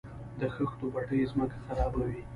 د خښتو بټۍ ځمکه خرابوي؟